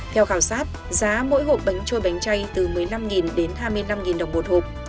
theo khảo sát giá mỗi hộp bánh trôi bánh chay từ một mươi năm đến hai mươi năm đồng một hộp